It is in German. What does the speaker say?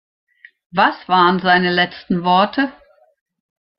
Was waren seine letzten Worte?